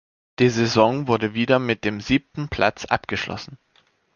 Die Saison wurde wieder mit dem siebten Platz abgeschlossen.